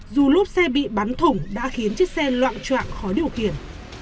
dù lốp xe bị bắn thủng đã khiến chiếc xe loạn trọng khó điều khiển